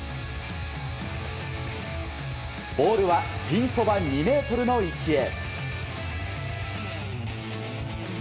ボールはピンそば２ｍの位置へ。